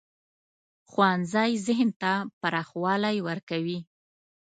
ښوونځی ذهن ته پراخوالی ورکوي